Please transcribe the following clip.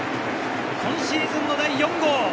今シーズンの第４号。